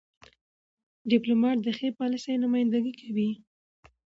. ډيپلومات د ښې پالیسۍ نمایندګي کوي.